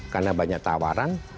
karena banyak tawaran